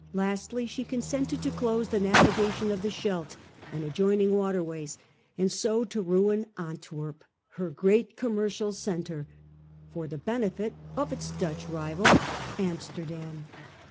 Lastly, she consented to close the navigation of the Scheldt and adjoining waterways, and so to ruin Antwerp, her great commercial centre, for the benefit of its Dutch rival Amsterdam.